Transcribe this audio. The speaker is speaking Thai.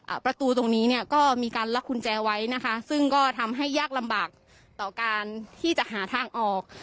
ประตูตรงนี้เนี้ยก็มีการล็อกกุญแจไว้นะคะซึ่งก็ทำให้ยากลำบากต่อการที่จะหาทางออก